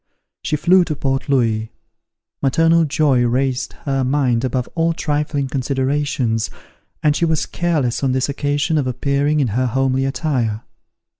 She flew to Port Louis; maternal joy raised her mind above all trifling considerations, and she was careless on this occasion of appearing in her homely attire.